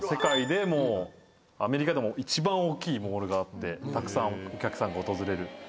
アメリカでも一番大きいモールがあってたくさんお客さんが訪れる